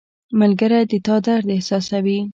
• ملګری د تا درد احساسوي.